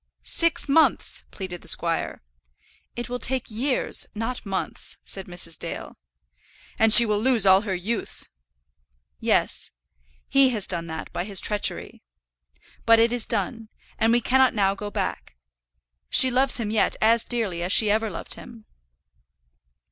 "Six months," pleaded the squire. "It will take years, not months," said Mrs. Dale. "And she will lose all her youth." "Yes; he has done all that by his treachery. But it is done, and we cannot now go back. She loves him yet as dearly as she ever loved him."